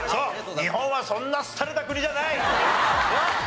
日本はそんな廃れた国じゃない！